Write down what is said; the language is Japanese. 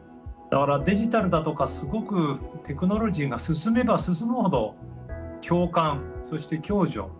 だからデジタルだとかすごくテクノロジーが進めば進むほど共感そして共助